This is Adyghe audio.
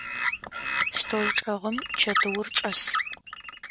Стол чӏэгъым чэтыур чӏэс.